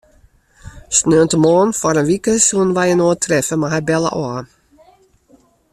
Saterdeitemoarn foar in wike soene wy inoar treffe, mar hy belle ôf.